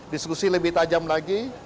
diskusi lebih tajam lagi